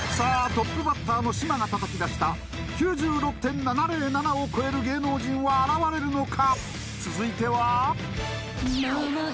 トップバッターの島が叩き出した９６．７０７を超える芸能人は現れるのか？